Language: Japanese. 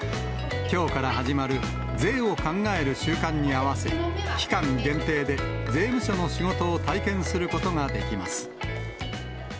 きょうから始まる税を考える週間に合わせ、期間限定で税務署の仕事を体験することができます。